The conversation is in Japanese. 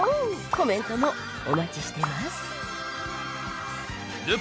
コメントもお待ちしてます